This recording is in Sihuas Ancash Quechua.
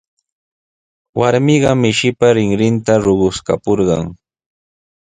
Warmiqa mishinpa rinrinta ruquskapurqan.